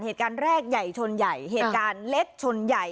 เหตุการณ์แรกใหญ่ชนใหญ่เหตุการณ์เล็กชนใหญ่